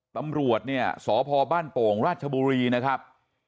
ตำรวจเนี่ยสพบ้านโป่งราชบุรีนะครับ